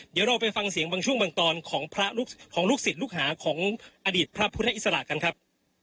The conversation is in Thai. เดี๋ยวเราไปฟังเสียงบางช่วงบางตอนของลูกศิษย์ลูกหาของอดีตพระพุทธอิสระกันครับ